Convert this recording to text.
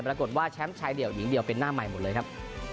ปรากฏว่าแชมป์ชายเดี่ยวหญิงเดียวเป็นหน้าใหม่หมดเลยครับ